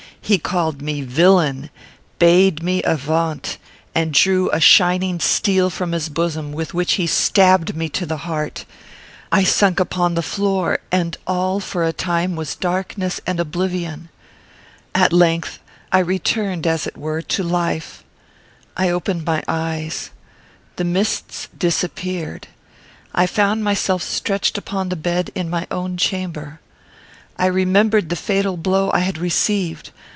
He called me villain! bade me avaunt! and drew a shining steel from his bosom, with which he stabbed me to the heart. I sunk upon the floor, and all, for a time, was darkness and oblivion! At length, I returned as it were to life. I opened my eyes. The mists disappeared, and I found myself stretched upon the bed in my own chamber. I remembered the fatal blow I had received.